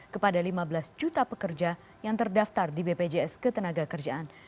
kepada lima belas juta pekerja yang terdaftar di bpjs ketenaga kerjaan